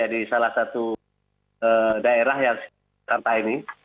di salah satu daerah yang serta ini